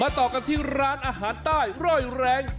ต่อกันที่ร้านอาหารใต้ร่อยแรง